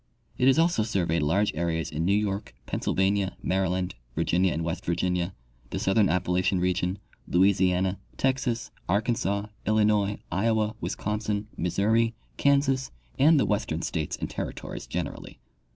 It has also surveyed large areas in New York, Pennsylvania, Mary land, Virginia and West Virginia, the southern Appalachian region, Louisiana, Texas, Arkansas, Illinois, Iowa, Wisconsin, Missouri, Kansas, and the western states and territories gen erally.